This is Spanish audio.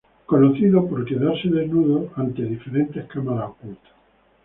Es conocido por quedarse desnudo en diferentes cámaras ocultas.